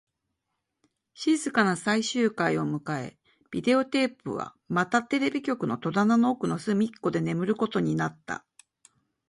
静かな最終回を迎え、ビデオテープはまたテレビ局の戸棚の奥の隅っこで眠ることになった